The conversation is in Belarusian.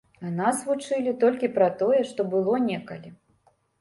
А нас вучылі толькі пра тое, што было некалі.